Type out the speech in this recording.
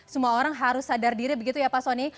semua orang harus sadar diri begitu ya pak soni